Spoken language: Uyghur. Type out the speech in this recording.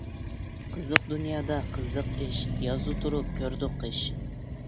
قىزىق دۇنيادا قىزىق ئىش، يازدا تۇرۇپ كۆردۇق قىش.